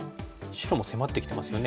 白も迫ってきてますよね。